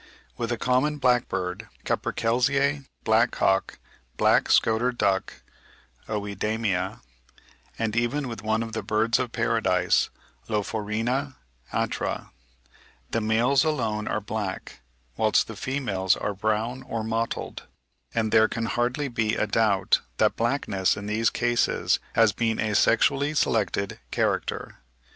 With the common blackbird, capercailzie, blackcock, black scoter duck (Oidemia), and even with one of the birds of paradise (Lophorina atra), the males alone are black, whilst the females are brown or mottled; and there can hardly be a doubt that blackness in these cases has been a sexually selected character.